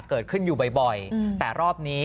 เกิดขึ้นอยู่บ่อยแต่รอบนี้